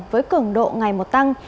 với cường độ ngày một tăng